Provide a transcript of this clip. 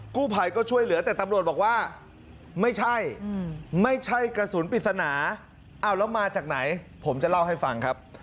กู้ภัยก็ช่วยเหลือแต่ตำรวจบอกว่าไม่ใช่ไม่ใช่กระสุนปริศนาอ้าวแล้วมาจากไหนผมจะเล่าให้ฟังครับ